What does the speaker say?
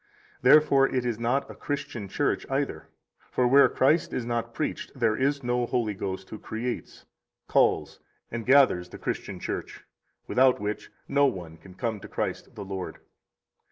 45 Therefore it is not a Christian Church either; for where Christ is not preached, there is no Holy Ghost who creates, calls, and gathers the Christian Church, without which no one can come to Christ the Lord.